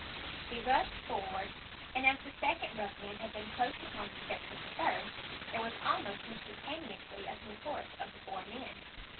He rushed forward, and as the second ruffian had been close upon the footsteps of the first, there was almost instantaneously a concourse of the four men.